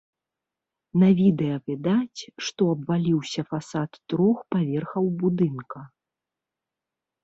На відэа відаць, што абваліўся фасад трох паверхаў будынка.